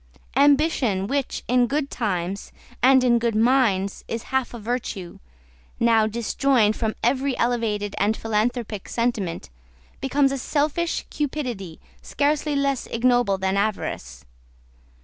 Ambition, which, in good times, and in good minds, is half a virtue, now, disjoined from every elevated and philanthropic sentiment, becomes a selfish cupidity scarcely less ignoble than avarice.